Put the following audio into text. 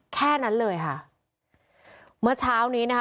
แค่นั้นเลยค่ะเมื่อเช้านี้นะคะ